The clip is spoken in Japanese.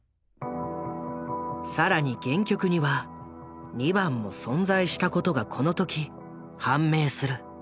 更に原曲には２番も存在したことがこの時判明する。